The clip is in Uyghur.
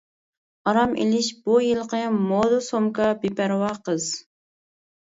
ئارام ئىلىش بۇ يىلقى مودا سومكا بىپەرۋا قىز.